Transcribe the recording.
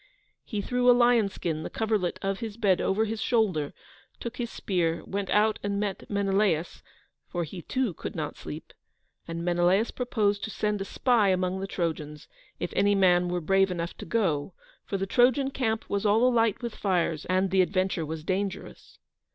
He threw a lion skin, the coverlet of his bed, over his shoulder, took his spear, went out and met Menelaus for he, too, could not sleep and Menelaus proposed to send a spy among the Trojans, if any man were brave enough to go, for the Trojan camp was all alight with fires, and the adventure was dangerous.